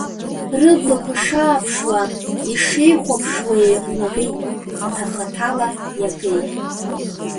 Рыблақәа шааԥшуа, ишеихәаԥшуа еиҟәнагеит, хаҭа-хаҭала иагеит.